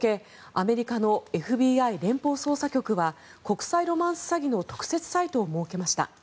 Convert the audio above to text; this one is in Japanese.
アメリカのＦＢＩ・連邦捜査局は国際ロマンス詐欺の特設サイトを設けました。